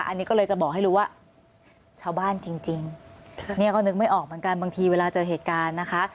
อันนี้ก็เลยจะบอกให้รู้ว่าชาวบ้านจริงเนี่ยก็นึกไม่ออกเหมือนกันบางทีเวลาเจอเหตุการณ์นะคะ